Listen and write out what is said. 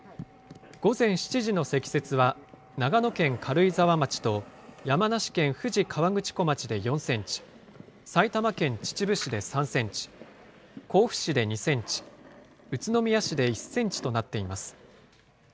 午前７時の積雪は、長野県軽井沢町と山梨県富士河口湖町で４センチ、埼玉県秩父市で３センチ、甲府市で２センチ、宇都宮市で１センチとなっています。